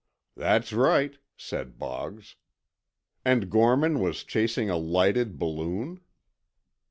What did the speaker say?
"That's right," said Boggs. "And Gorman was chasing a lighted balloon?"